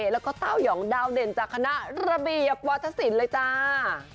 แล้วก็เต้ายองดาวเด่นจากคณะระเบียบวัฒนศิลป์เลยจ้า